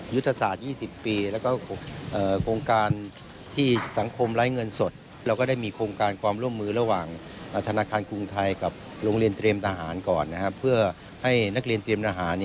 ยุทธศาสตร์๒๐ปีแล้วก็โครงการที่สังคมไร้เงินสด